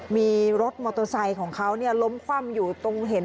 มีรถมอเตอร์ไซค์ของเขาล้มคว่ำอยู่ตรงเห็น